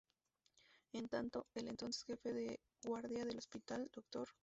En tanto, el entonces Jefe de Guardia del hospital, Dr.